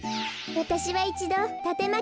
わたしはいちどたてまき